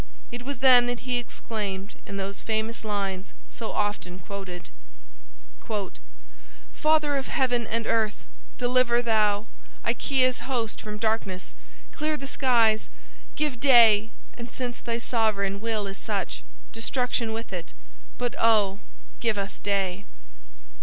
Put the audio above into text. It was then that he exclaimed in those famous lines so often quoted, "Father of heaven and earth! deliver thou Achaia's host from darkness; clear the skies; Give day; and, since thy sovereign will is such, Destruction with it; but, O, give us day."